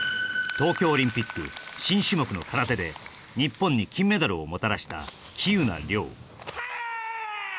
東京オリンピック新種目の空手で日本に金メダルをもたらした喜友名諒